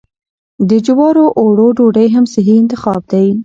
د جوارو اوړو ډوډۍ هم صحي انتخاب دی.